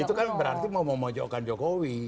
itu kan berarti mau memojokkan jokowi